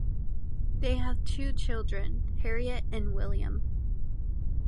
They have two children: Harriet and William.